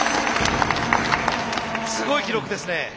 すごい記録ですね。